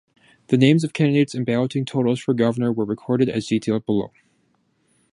The names of candidates and balloting totals for governor were recorded as detailed below.